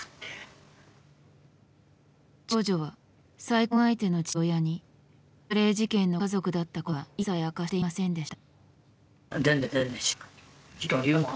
長女は再婚相手の父親にカレー事件の家族だったことは一切明かしていませんでした。